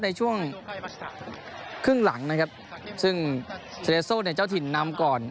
ในช่วงครึ่งหลังนะครับซึ่งเทเลโซ่เนี่ยเจ้าถิ่นนำก่อน